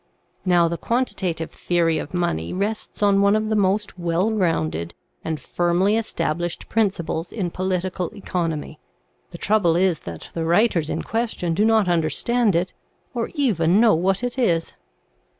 Now the quan titative theory of money rests on one of the most well grounded and firmly established principles in political econ omy : the trouble is that the writers in question do not understand it or even know what it is.